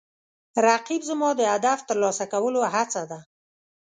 رقیب زما د هدف ترلاسه کولو هڅه ده